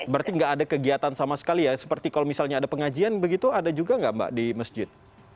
berarti nggak ada kegiatan sama sekali ya seperti kalau misalnya ada pengajian begitu ada juga nggak mbak di masjid